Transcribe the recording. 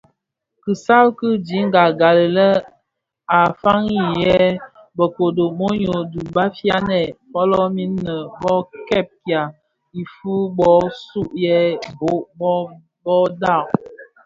Kisam dhi kinga gbali I faňii lè Bekodo mōnyō di bafianè folomin nnë bö kpèya ifuu bō sug yè bhog bo dhad.